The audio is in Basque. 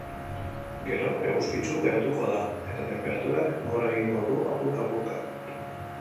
Gero, eguzkitsu geratuko da, eta tenperaturak gora egingo du apurka-apurka.